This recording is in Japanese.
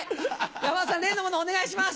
山田さん例の物お願いします！